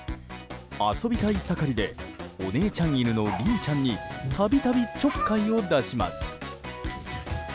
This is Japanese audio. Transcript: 遊びたい盛りでお姉ちゃん犬のリンちゃんに度々ちょっかいを出します。